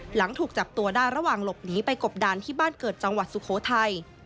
หลังถูกจับตัวได้ระหว่างหลบหนีไปกบดานที่บ้านเกิดจังหวัดสุโขทัย